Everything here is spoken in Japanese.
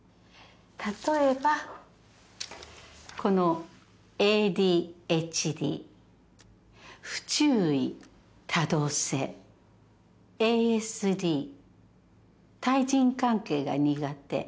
例えばこの「ＡＤＨＤ」「不注意」「多動性」「ＡＳＤ」「対人関係が苦手」